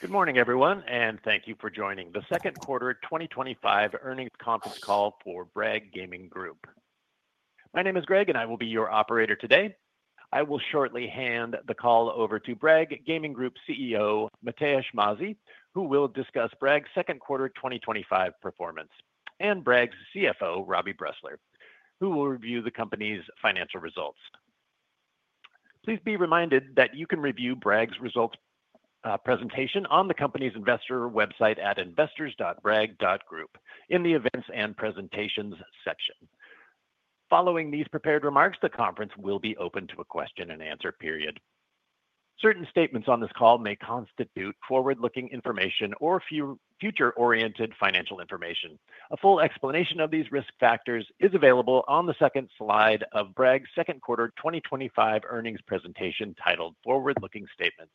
Good morning, everyone, and thank you for joining the Second Quarter 2025 Earnings Conference Call for Bragg Gaming Group. My name is Greg, and I will be your operator today. I will shortly hand the call over to Bragg Gaming Group CEO Matevž Mazij, who will discuss Bragg's second quarter 2025 performance, and Bragg's CFO, Robbie Bressler, who will review the company's financial results. Please be reminded that you can review Bragg's results presentation on the company's investor website at investors.bragg.group in the events and presentations section. Following these prepared remarks, the conference will be open to a question and answer period. Certain statements on this call may constitute forward-looking information or future-oriented financial information. A full explanation of these risk factors is available on the second slide of Bragg's second quarter 2025 earnings presentation titled "Forward-Looking Statements,"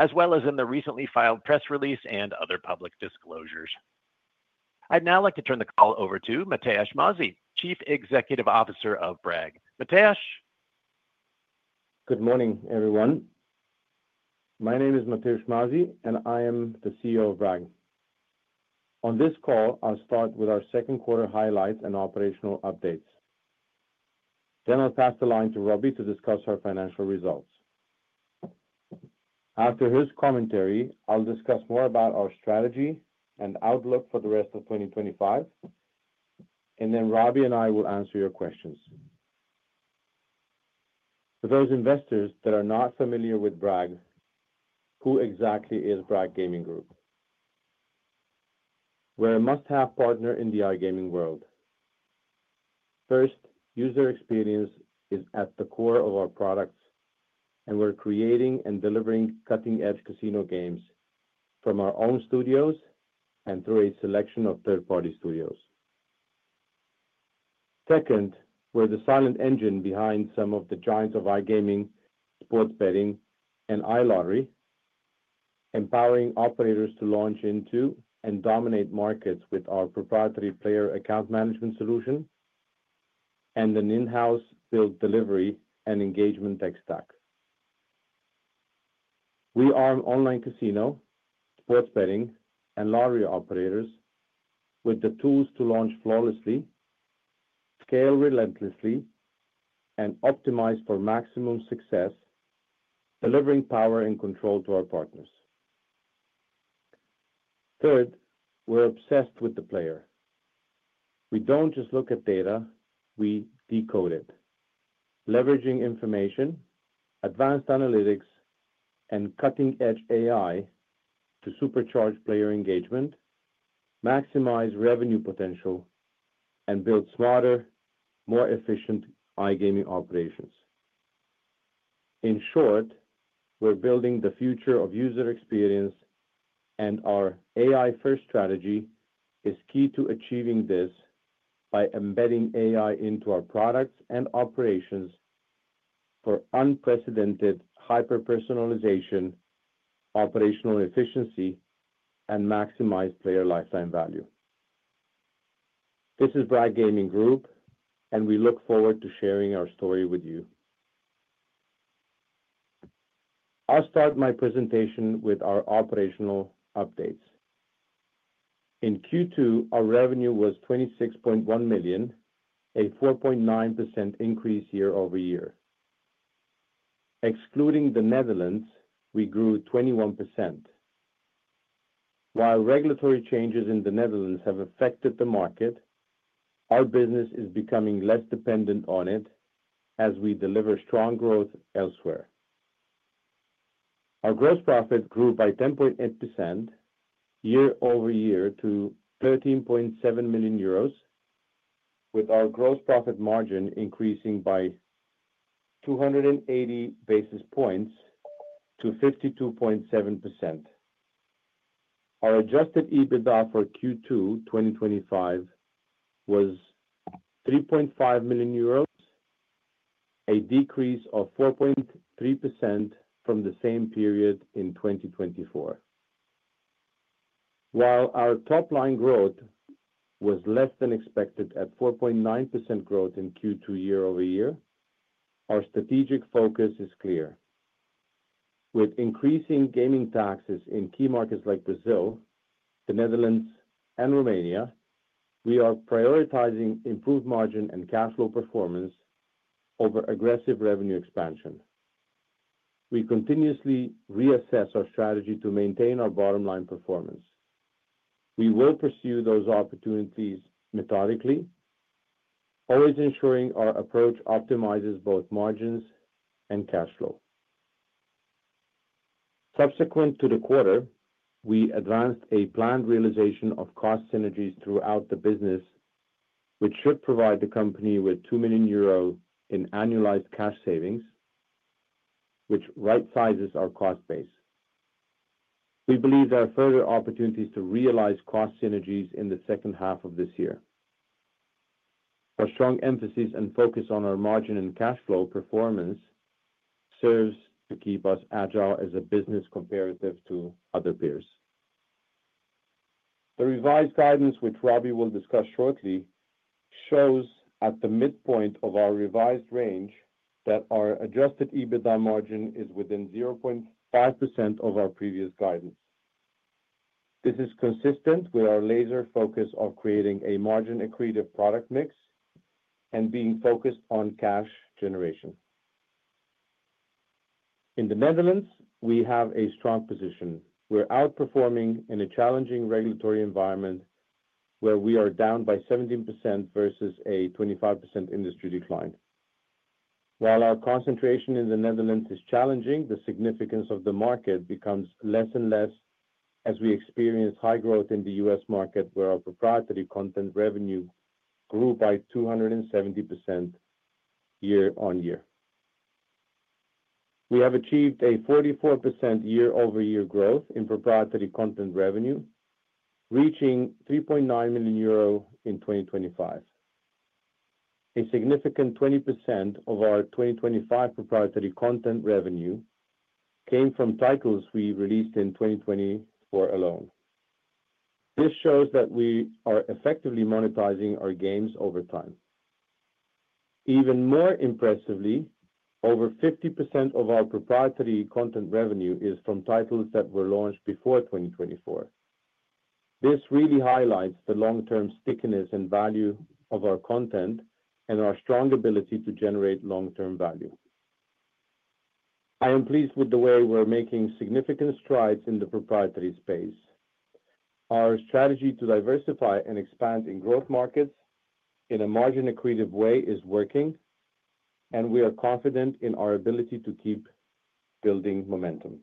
as well as in the recently filed press release and other public disclosures. I'd now like to turn the call over to Matevž Mazij, Chief Executive Officer of Bragg. Matevž? Good morning, everyone. My name is Matevž Mazij, and I am the CEO of Bragg. On this call, I'll start with our second quarter highlights and operational updates. Then I'll pass the line to Robbie to discuss our financial results. After his commentary, I'll discuss more about our strategy and outlook for the rest of 2025, and then Robbie and I will answer your questions. For those investors that are not familiar with Bragg, who exactly is Bragg Gaming Group? We're a must-have partner in the iGaming world. First, user experience is at the core of our products, and we're creating and delivering cutting-edge casino games from our own studios and through a selection of third-party studios. Second, we're the silent engine behind some of the giants of iGaming, sports betting, and lottery, empowering operators to launch into and dominate markets with our proprietary player account management solution and an in-house build, delivery, and engagement tech stack. We arm online casino, sports betting, and lottery operators with the tools to launch flawlessly, scale relentlessly, and optimize for maximum success, delivering power and control to our partners. Third, we're obsessed with the player. We don't just look at data; we decode it, leveraging information, advanced analytics, and cutting-edge AI to supercharge player engagement, maximize revenue potential, and build smarter, more efficient iGaming operations. In short, we're building the future of user experience, and our AI-first strategy is key to achieving this by embedding AI into our products and operations for unprecedented hyper-personalization, operational efficiency, and maximized player lifetime value. This is Bragg Gaming Group, and we look forward to sharing our story with you. I'll start my presentation with our operational updates. In Q2, our revenue was 26.1 million, a 4.9% increase year-over-year. Excluding the Netherlands, we grew 21%. While regulatory changes in the Netherlands have affected the market, our business is becoming less dependent on it as we deliver strong growth elsewhere. Our gross profit grew by 10.8% year-over-year to 13.7 million euros, with our gross profit margin increasing by 280 basis points to 52.7%. Our adjusted EBITDA for Q2 2025 was 3.5 million euros, a decrease of 4.3% from the same period in 2024. While our top-line growth was less than expected at 4.9% growth in Q2 year-over-year, our strategic focus is clear. With increasing gaming taxes in key markets like Brazil, the Netherlands, and Romania, we are prioritizing improved margin and cash flow performance over aggressive revenue expansion. We continuously reassess our strategy to maintain our bottom-line performance. We will pursue those opportunities methodically, always ensuring our approach optimizes both margins and cash flow. Subsequent to the quarter, we advanced a planned realization of cost synergies throughout the business, which should provide the company with 2 million euro in annualized cash savings, which right-sizes our cost base. We believe there are further opportunities to realize cost synergies in the second half of this year. Our strong emphasis and focus on our margin and cash flow performance serve to keep us agile as a business comparative to other peers. The revised guidance, which Robbie will discuss shortly, shows at the midpoint of our revised range that our adjusted EBITDA margin is within 0.5% of our previous guidance. This is consistent with our laser focus of creating a margin-accretive product mix and being focused on cash generation. In the Netherlands, we have a strong position. We're outperforming in a challenging regulatory environment where we are down by 17% versus a 25% industry decline. While our concentration in the Netherlands is challenging, the significance of the market becomes less and less as we experience high growth in the U.S. market where our proprietary content revenue grew by 270% year-on-year. We have achieved a 44% year-over-year growth in proprietary content revenue, reaching 3.9 million euro in 2025. A significant 20% of our 2025 proprietary content revenue came from titles we released in 2024 alone. This shows that we are effectively monetizing our games over time. Even more impressively, over 50% of our proprietary content revenue is from titles that were launched before 2024. This really highlights the long-term stickiness and value of our content and our strong ability to generate long-term value. I am pleased with the way we're making significant strides in the proprietary space. Our strategy to diversify and expand in growth markets in a margin-accretive way is working, and we are confident in our ability to keep building momentum.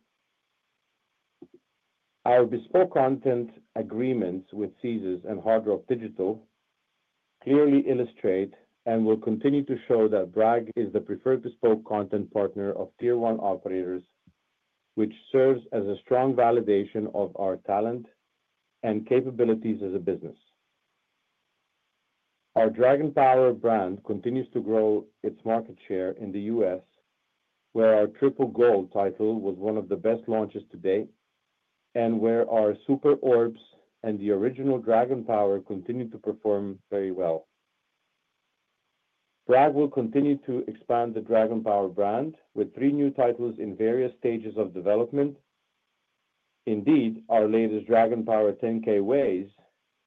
Our bespoke content agreements with Caesars Digital and Hard Rock Digital clearly illustrate and will continue to show that Bragg Gaming Group is the preferred bespoke content partner of tier-one operators, which serves as a strong validation of our talent and capabilities as a business. Our Dragon Power brand continues to grow its market share in the U.S., where our Triple Gold title was one of the best launches to date and where our Super Orbs and the original Dragon Power continue to perform very well. Bragg Gaming Group will continue to expand the Dragon Power brand with three new titles in various stages of development. Indeed, our latest Dragon Power 10.000 ways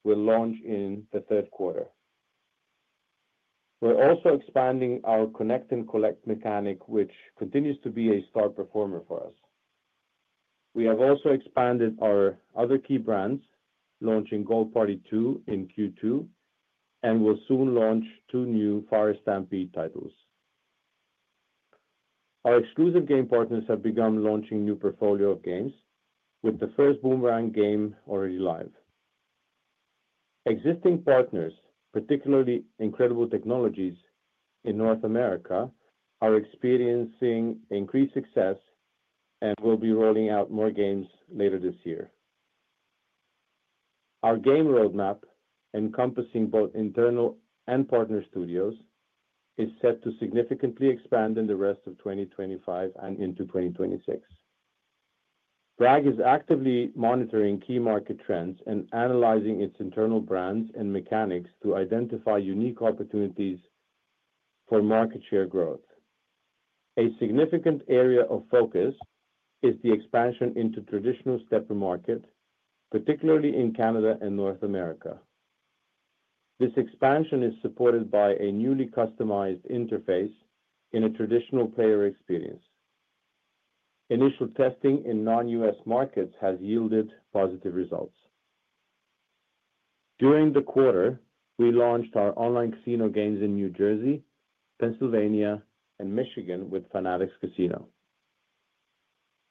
will launch in the third quarter. We're also expanding our Connect & Collect mechanic, which continues to be a star performer for us. We have also expanded our other key brands, launching Gold Party 2 in Q2, and we'll soon launch two new Fire Stampede titles. Our exclusive game partners have begun launching a new portfolio of games, with the first Boomerang game already live. Existing partners, particularly Incredible Technologies in North America, are experiencing increased success and will be rolling out more games later this year. Our game roadmap, encompassing both internal and partner studios, is set to significantly expand in the rest of 2025 and into 2026. Bragg Gaming Group is actively monitoring key market trends and analyzing its internal brands and mechanics to identify unique opportunities for market share growth. A significant area of focus is the expansion into traditional stepper markets, particularly in Canada and North America. This expansion is supported by a newly customized interface in a traditional player experience. Initial testing in non-U.S. markets has yielded positive results. During the quarter, we launched our online casino games in New Jersey, Pennsylvania, and Michigan with Fanatics Casino.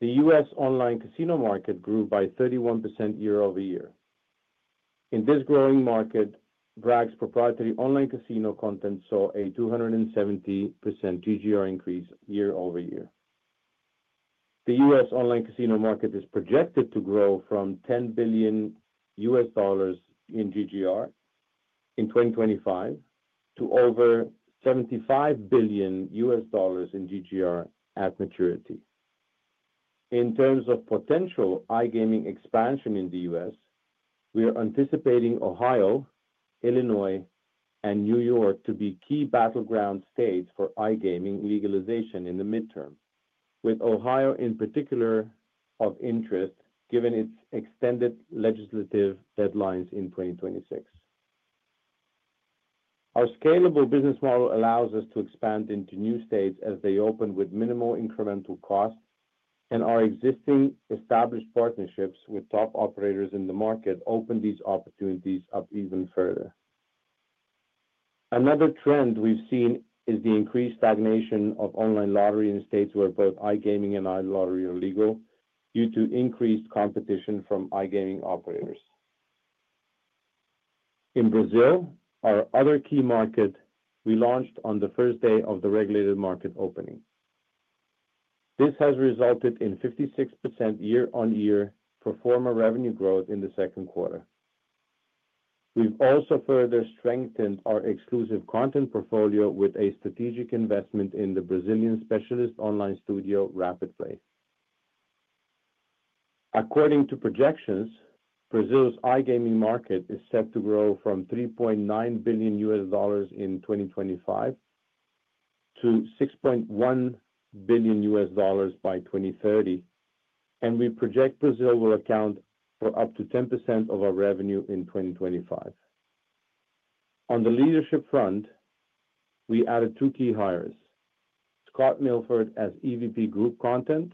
The U.S. online casino market grew by 31% year-over-year. In this growing market, Bragg Gaming Group's proprietary online casino content saw a 270% GGR increase year-over-year. The U.S. online casino market is projected to grow from $10 billion in GGR in 2025 to over $75 billion in GGR at maturity. In terms of potential iGaming expansion in the U.S., we are anticipating Ohio, Illinois, and New York to be key battleground states for iGaming legalization in the midterm, with Ohio in particular of interest given its extended legislative deadlines in 2026. Our scalable business model allows us to expand into new states as they open with minimal incremental cost, and our existing established partnerships with top operators in the market open these opportunities up even further. Another trend we've seen is the increased stagnation of lottery in states where both iGaming and lottery are legal due to increased competition from iGaming operators. In Brazil, our other key market, we launched on the first day of the regulated market opening. This has resulted in 56% year-on-year performer revenue growth in the second quarter. We've also further strengthened our exclusive content portfolio with a strategic investment in the Brazilian specialist online studio RapidPlay. According to projections, Brazil's iGaming market is set to grow from $3.9 billion in 2025 to $6.1 billion by 2030, and we project Brazil will account for up to 10% of our revenue in 2025. On the leadership front, we added two key hires: Scott Milford as EVP, Group Content,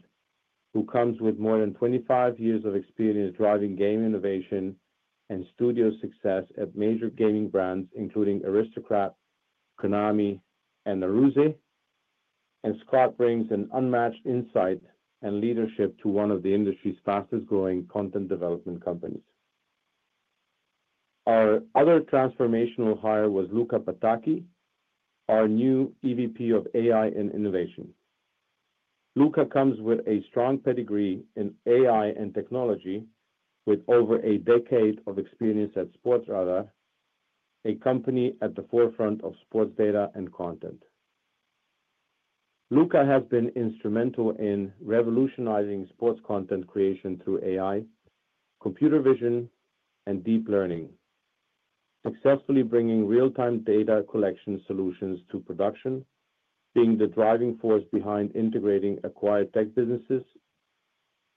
who comes with more than 25 years of experience driving game innovation and studio success at major gaming brands including Aristocrat, Konami, and Aruze. Scott brings an unmatched insight and leadership to one of the industry's fastest-growing content development companies. Our other transformational hire was Luka Pataky, our new EVP, AI and Innovation. Luca comes with a strong pedigree in AI and technology, with over a decade of experience at Sportradar, a company at the forefront of sports data and content. Luka has been instrumental in revolutionizing sports content creation through AI, computer vision, and deep learning, successfully bringing real-time data collection solutions to production, being the driving force behind integrating acquired tech businesses,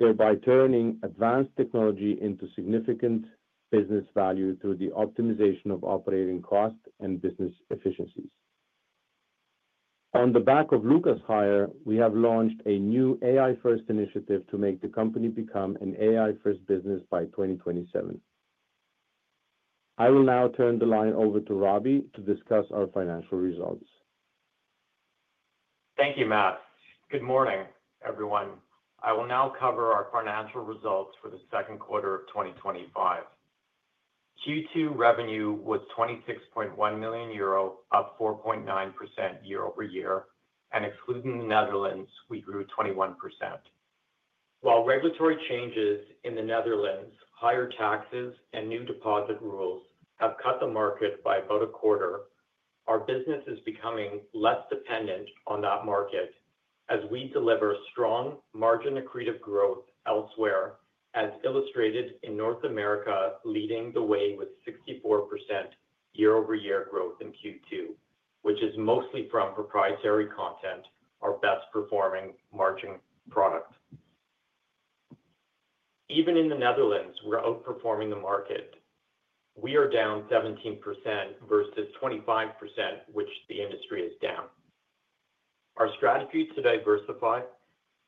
thereby turning advanced technology into significant business value through the optimization of operating cost and business efficiencies. On the back of Luka's hire, we have launched a new AI-first initiative to make the company become an AI-first business by 2027. I will now turn the line over to Robbie to discuss our financial results. Thank you, Matt. Good morning, everyone. I will now cover our financial results for the second quarter of 2025. Q2 revenue was 26.1 million euro, up 4.9% year-over-year, and excluding the Netherlands, we grew 21%. While regulatory changes in the Netherlands, higher taxes, and new deposit rules have cut the market by about a quarter, our business is becoming less dependent on that market as we deliver strong margin-accretive growth elsewhere, as illustrated in North America leading the way with 64% year-over-year growth in Q2, which is mostly from proprietary content, our best-performing margin product. Even in the Netherlands, we're outperforming the market. We are down 17% versus 25%, which the industry is down. Our strategy to diversify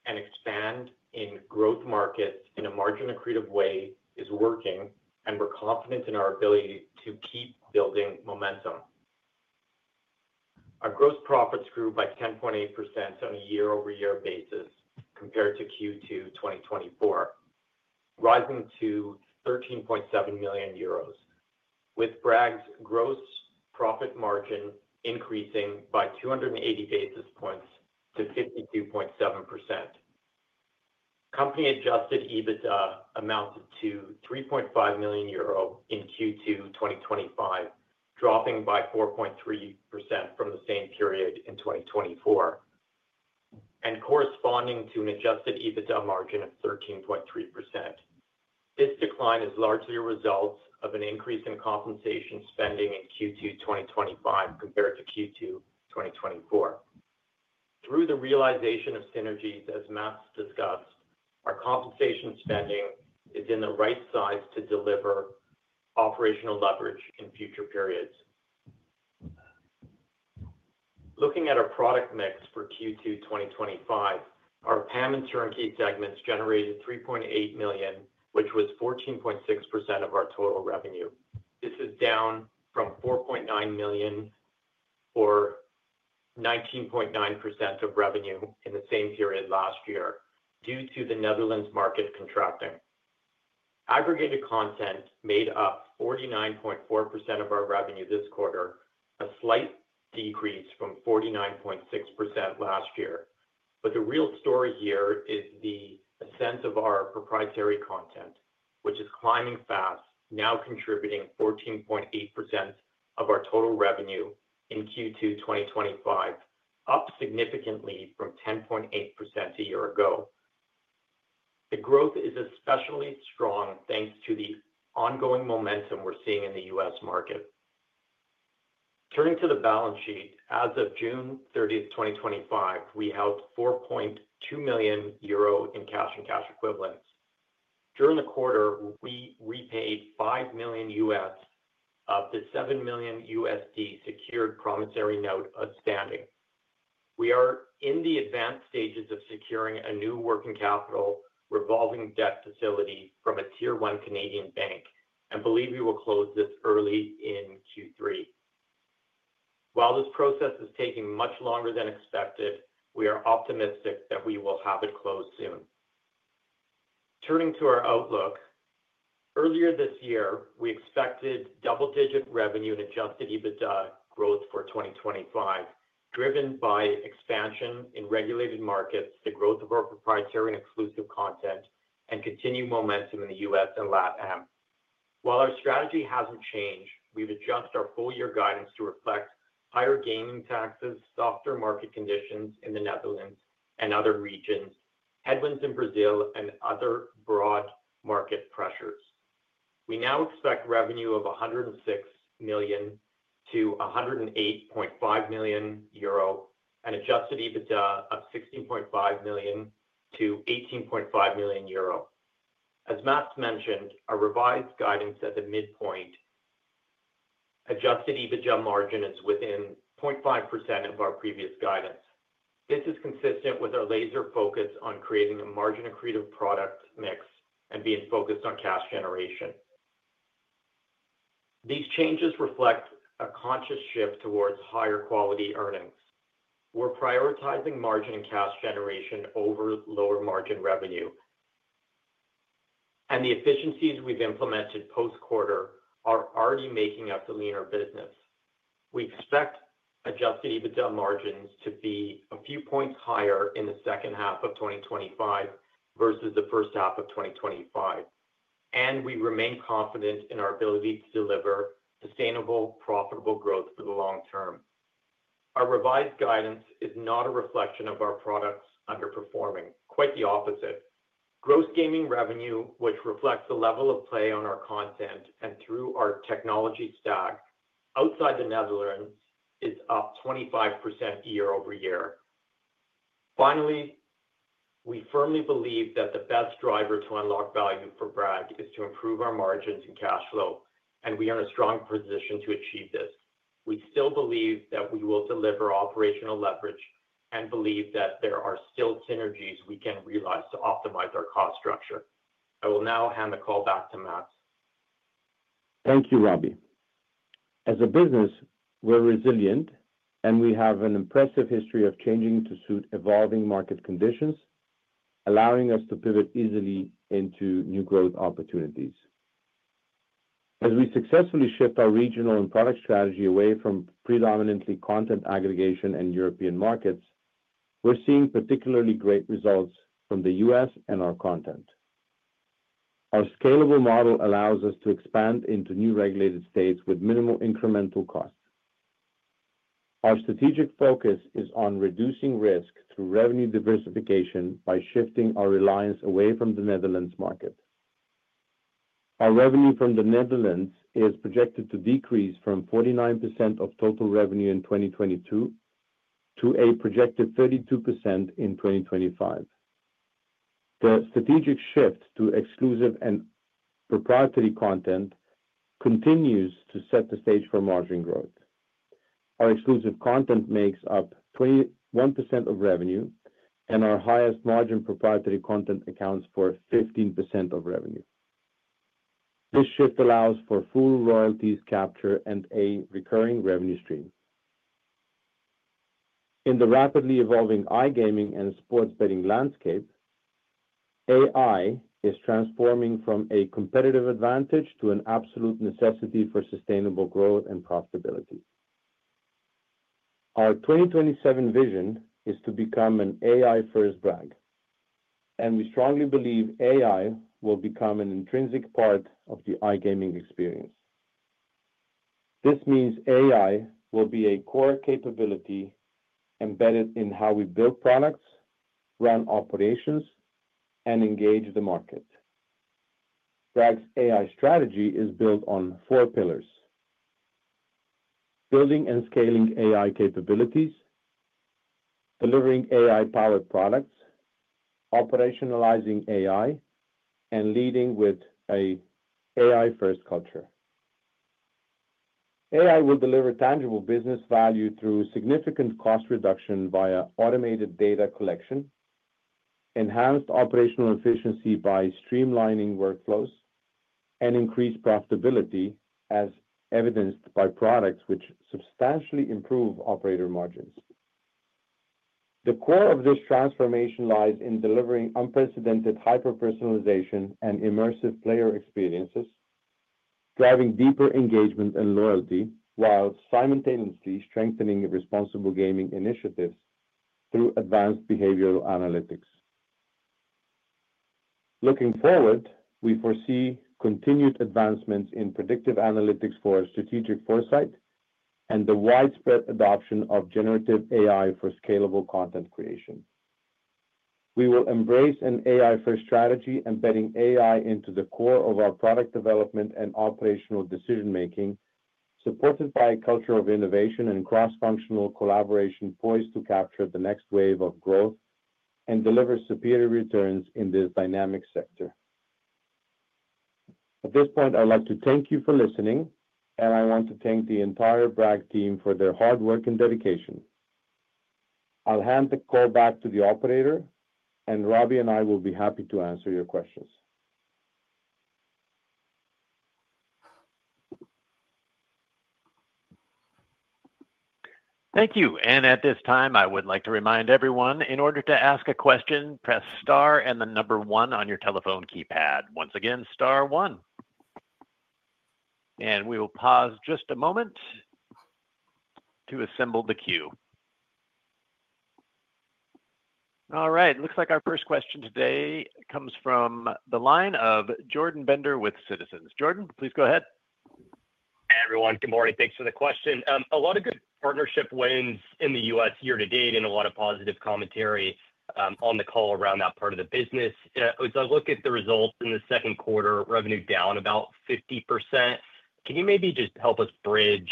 and expand in growth markets in a margin-accretive way is working, and we're confident in our ability to keep building momentum. Our gross profits grew by 10.8% on a year-over-year basis compared to Q2 2024, rising to 13.7 million euros, with Bragg's gross profit margin increasing by 280 basis points to 52.7%. Company-adjusted EBITDA amounted to 3.5 million euro in Q2 2025, dropping by 4.3% from the same period in 2024 and corresponding to an adjusted EBITDA margin of 13.3%. This decline is largely a result of an increase in compensation spending in Q2 2025 compared to Q2 2024. Through the realization of synergies, as Matt discussed, our compensation spending is in the right size to deliver operational leverage in future periods. Looking at our product mix for Q2 2025, our PAM & Turnkey segments generated 3.8 million, which was 14.6% of our total revenue. This is down from 4.9 million or 19.9% of revenue in the same period last year due to the Netherlands market contracting. Aggregated content made up 49.4% of our revenue this quarter, a slight decrease from 49.6% last year, but the real story here is the sense of our proprietary content, which is climbing fast, now contributing 14.8% of our total revenue in Q2 2025, up significantly from 10.8% a year ago. The growth is especially strong thanks to the ongoing momentum we're seeing in the U.S. market. Turning to the balance sheet, as of June 30, 2025, we held 4.2 million euro in cash and cash equivalents. During the quarter, we repaid $5 million-$7 million secured promissory note outstanding. We are in the advanced stages of securing a new working capital revolving debt facility from a tier-one Canadian bank and believe we will close this early in Q3. While this process is taking much longer than expected, we are optimistic that we will have it closed soon. Turning to our outlook, earlier this year, we expected double-digit revenue and adjusted EBITDA growth for 2025, driven by expansion in regulated markets, the growth of our proprietary and exclusive content, and continued momentum in the U.S. and LatAm. While our strategy hasn't changed, we've adjusted our full-year guidance to reflect higher gaming taxes, softer market conditions in the Netherlands and other regions, headwinds in Brazil, and other broad market pressures. We now expect revenue of 106 million-108.5 million euro and adjusted EBITDA of 16.5 million-18.5 million euro. As Matt mentioned, our revised guidance at the midpoint adjusted EBITDA margin is within 0.5% of our previous guidance. This is consistent with our laser focus on creating a margin-accretive product mix and being focused on cash generation. These changes reflect a conscious shift towards higher quality earnings. We're prioritizing margin and cash generation over lower margin revenue, and the efficiencies we've implemented post-quarter are already making us a leaner business. We expect adjusted EBITDA margins to be a few points higher in the second half of 2025 versus the first half of 2025, and we remain confident in our ability to deliver sustainable, profitable growth for the long term. Our revised guidance is not a reflection of our products underperforming; quite the opposite. Gross gaming revenue, which reflects the level of play on our content and through our technology stack outside the Netherlands, is up 25% year-over-year. Finally, we firmly believe that the best driver to unlock value for Bragg Gaming Group is to improve our margins and cash flow, and we are in a strong position to achieve this. We still believe that we will deliver operational leverage and believe that there are still synergies we can realize to optimize our cost structure. I will now hand the call back to Matt. Thank you, Robbie. As a business, we're resilient, and we have an impressive history of changing to suit evolving market conditions, allowing us to pivot easily into new growth opportunities. As we successfully shift our regional and product strategy away from predominantly content aggregation and European markets, we're seeing particularly great results from the U.S. and our content. Our scalable model allows us to expand into new regulated states with minimal incremental costs. Our strategic focus is on reducing risk through revenue diversification by shifting our reliance away from the Netherlands market. Our revenue from the Netherlands is projected to decrease from 49% of total revenue in 2022 to a projected 32% in 2025. The strategic shift to exclusive and proprietary content continues to set the stage for margin growth. Our exclusive content makes up 21% of revenue, and our highest margin proprietary content accounts for 15% of revenue. This shift allows for full royalties capture and a recurring revenue stream. In the rapidly evolving iGaming and sports betting landscape, AI is transforming from a competitive advantage to an absolute necessity for sustainable growth and profitability. Our 2027 Vision is to become an AI-First Bragg, and we strongly believe AI will become an intrinsic part of the iGaming experience. This means AI will be a core capability embedded in how we build products, run operations, and engage the market. Bragg's AI strategy is built on four pillars: building and scaling AI capabilities, delivering AI-powered products, operationalizing AI, and leading with an AI-first culture. AI will deliver tangible business value through significant cost reduction via automated data collection, enhanced operational efficiency by streamlining workflows, and increased profitability, as evidenced by products which substantially improve operator margins. The core of this transformation lies in delivering unprecedented hyper-personalization and immersive player experiences, driving deeper engagement and loyalty, while simultaneously strengthening responsible gaming initiatives through advanced behavioral analytics. Looking forward, we foresee continued advancements in predictive analytics for strategic foresight and the widespread adoption of generative AI for scalable content creation. We will embrace an AI-first strategy, embedding AI into the core of our product development and operational decision-making, supported by a culture of innovation and cross-functional collaboration poised to capture the next wave of growth and deliver superior returns in this dynamic sector. At this point, I'd like to thank you for listening, and I want to thank the entire Bragg team for their hard work and dedication. I'll hand the call back to the operator, and Robbie and I will be happy to answer your questions. Thank you. At this time, I would like to remind everyone, in order to ask a question, press star and the number one on your telephone keypad. Once again, star one. We will pause just a moment to assemble the queue. All right. Looks like our first question today comes from the line of Jordan Bender with Citizens. Jordan, please go ahead. Hi, everyone. Good morning. Thanks for the question. A lot of good partnership wins in the U.S. year to date and a lot of positive commentary on the call around that part of the business. As I look at the results in the second quarter, revenue down about 50%. Can you maybe just help us bridge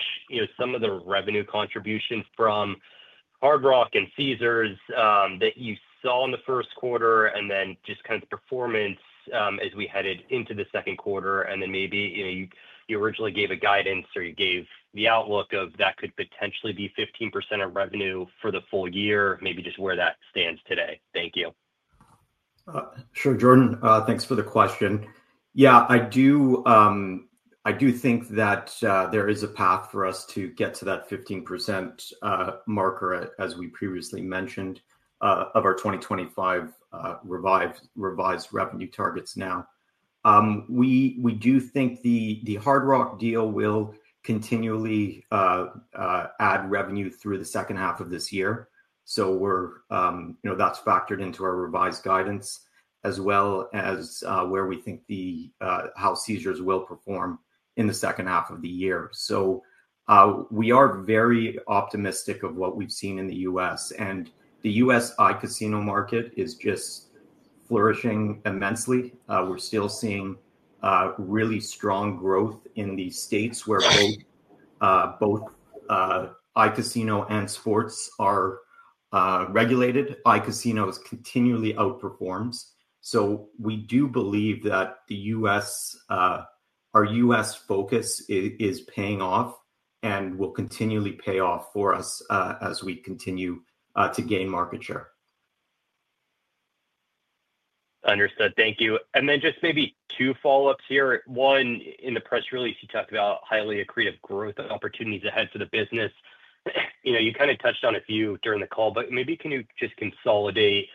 some of the revenue contributions from Hard Rock Digital and Caesars Digital that you saw in the first quarter and then just kind of the performance as we headed into the second quarter? You originally gave a guidance or you gave the outlook of that could potentially be 15% of revenue for the full year, maybe just where that stands today. Thank you. Sure, Jordan. Thanks for the question. Yeah, I do think that there is a path for us to get to that 15% marker as we previously mentioned of our 2025 revised revenue targets now. We do think the Hard Rock Digital deal will continually add revenue through the second half of this year. That's factored into our revised guidance as well as where we think how Caesars Digital will perform in the second half of the year. We are very optimistic of what we've seen in the U.S. The U.S. iCasino market is just flourishing immensely. We're still seeing really strong growth in these states where both iCasino and sports are regulated. iCasino continually outperforms. We do believe that our U.S. focus is paying off and will continually pay off for us as we continue to gain market share. Understood. Thank you. Just maybe two follow-ups here. One, in the press release, you talked about highly accretive growth and opportunities ahead for the business. You kind of touched on a few during the call, but maybe can you just consolidate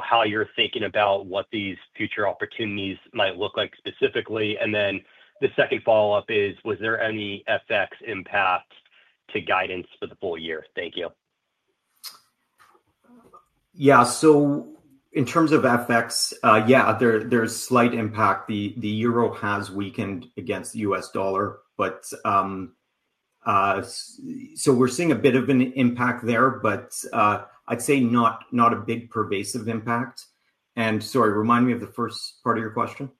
how you're thinking about what these future opportunities might look like specifically? The second follow-up is, was there any FX impact to guidance for the full year? Thank you. Yeah, in terms of FX, there's slight impact. The euro has weakened against the U.S. dollar, so we're seeing a bit of an impact there, but I'd say not a big pervasive impact. Sorry, remind me of the first part of your question.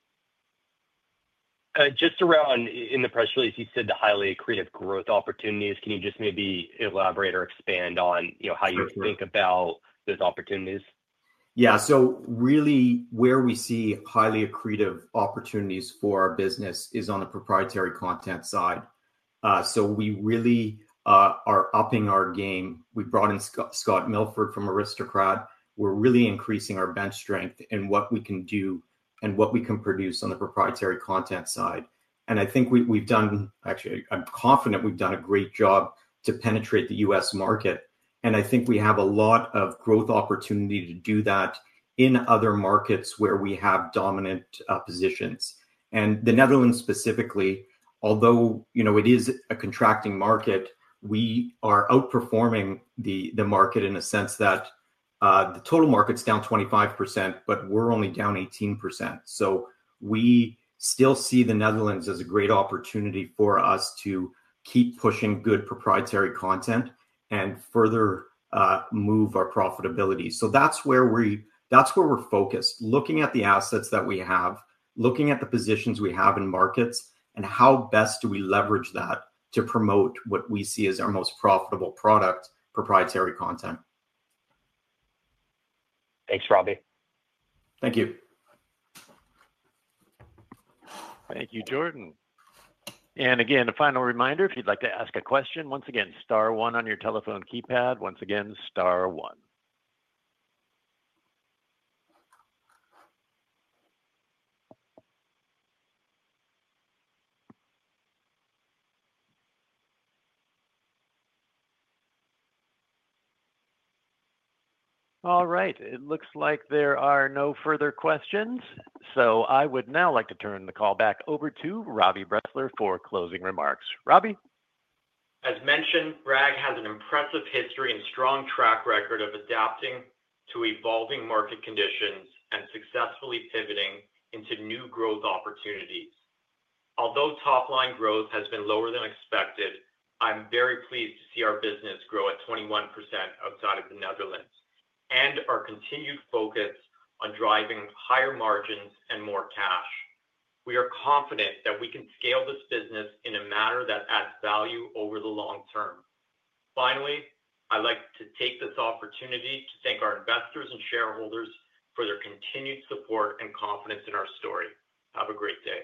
Just around in the press release, you said the highly accretive growth opportunities. Can you just maybe elaborate or expand on how you think about those opportunities? Yeah, so really where we see highly accretive opportunities for our business is on the proprietary content side. We really are upping our game. We brought in Scott Milford from Aristocrat. We're really increasing our bench strength and what we can do and what we can produce on the proprietary content side. I think we've done, actually, I'm confident we've done a great job to penetrate the U.S. market. I think we have a lot of growth opportunity to do that in other markets where we have dominant positions. The Netherlands specifically, although it is a contracting market, we are outperforming the market in a sense that the total market's down 25%, but we're only down 18%. We still see the Netherlands as a great opportunity for us to keep pushing good proprietary content and further move our profitability. That's where we're focused, looking at the assets that we have, looking at the positions we have in markets, and how best do we leverage that to promote what we see as our most profitable product, proprietary content. Thanks, Robbie. Thank you. Thank you, Jordan. A final reminder, if you'd like to ask a question, once again, star one on your telephone keypad. Once again, star one. It looks like there are no further questions. I would now like to turn the call back over to Robbie Bressler for closing remarks. Robbie? As mentioned, Bragg Gaming Group has an impressive history and strong track record of adapting to evolving market conditions and successfully pivoting into new growth opportunities. Although top-line growth has been lower than expected, I'm very pleased to see our business grow at 21% outside of the Netherlands and our continued focus on driving higher margins and more cash. We are confident that we can scale this business in a manner that adds value over the long term. Finally, I'd like to take this opportunity to thank our investors and shareholders for their continued support and confidence in our story. Have a great day.